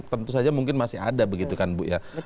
tentu saja mungkin masih ada begitu kan bu ya